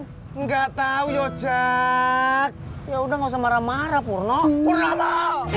enggak tahu yojak ya udah nggak usah marah marah purno purno